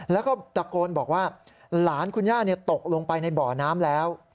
แล้วก็ตะโกนบอกว่าหลานคุณย่าตกลงไปในบ่อน้ำแล้ว